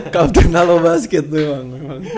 captain halo basket tuh emang